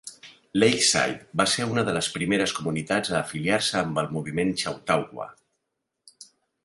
Lakeside va ser una de les primeres comunitats a afiliar-se amb el moviment Chautauqua.